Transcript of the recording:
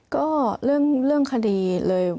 ก็เรื่องคดีเลย